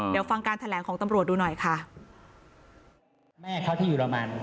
เดี๋ยวฟังการแถลงของตำรวจดูหน่อยค่ะแม่เขาที่อยู่รมัน